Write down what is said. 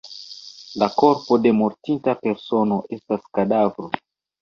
La korpo de mortinta persono estas kadavro.